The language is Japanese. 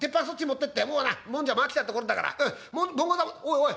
おいおい。